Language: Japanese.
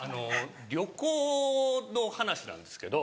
旅行の話なんですけど。